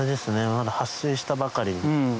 まだ発生したばかりで。